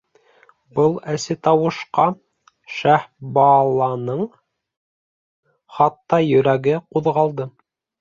Был әсе тауышҡа Шаһбаланың хатта йөрәге ҡуҙғалды.